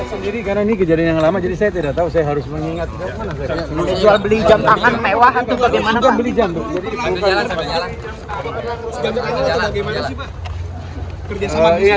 sendiri karena ini kejadian yang lama jadi saya tidak tahu saya harus mengingat